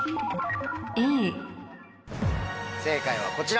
正解はこちら。